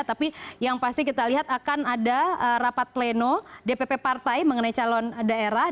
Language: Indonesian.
tapi yang pasti kita lihat akan ada rapat pleno dpp partai mengenai calon daerah